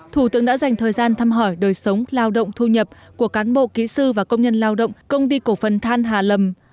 thủ tướng đã dành thời gian thăm hỏi đời sống lao động thu nhập của cán bộ kỹ sư và công nhân lao động công ty cổ phần than hà lầm